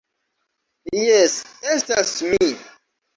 Jes, estas mi